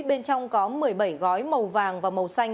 bên trong có một mươi bảy gói màu vàng và màu xanh